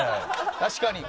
確かに。